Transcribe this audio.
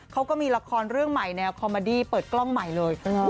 เขาก็มีละครเรื่องใหม่แนวคอมมาดี้เปิดกล้องใหม่เลย